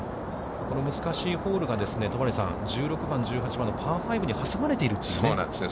この難しいホールが、戸張さん、１６番、１８番のパー５に挟まれているというね。